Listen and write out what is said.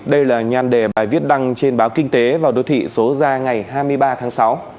đây là nhan đề bài viết đăng trên báo kinh tế và đô thị số ra ngày hai mươi ba tháng sáu